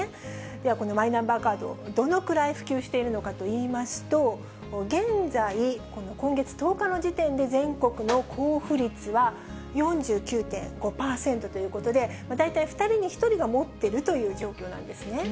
では、このマイナンバーカード、どのくらい普及しているのかといいますと、現在、この今月１０日の時点で全国の交付率は４９．５％ということで、大体２人に１人が持っているという状況なんですね。